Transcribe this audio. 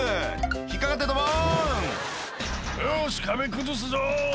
引っかかってドボン「よし壁崩すぞ」